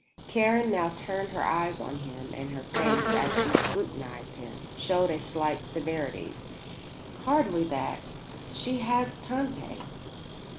Karen now turned her eyes on him, and her face, as she scrutinized him, showed a slight severity. "Hardly that. She has Tante."